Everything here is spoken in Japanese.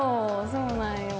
そうなんよ。